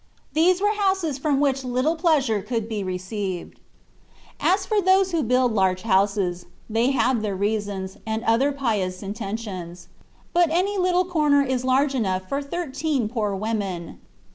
These were houses from which little pleasure could be received. As for those who build large houses, they have their reasons, and other pious intentions. But any little corner is large enough for thirteen poor women.